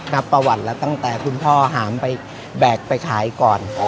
นับประวัติแล้วตั้งแต่คุณพ่อหามไปแบกไปขายก่อน